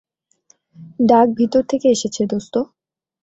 ডাক ভিতর থেকে এসেছে, দোস্ত।